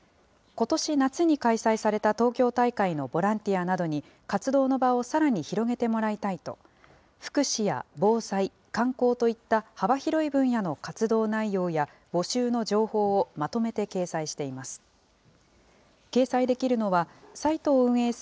ことし夏に開催された東京大会のボランティアなどに、活動の場をさらに広げてもらいたいと、福祉や防災、観光といった幅広い分野の活動内容や、募集の情報をまとめて掲載しています。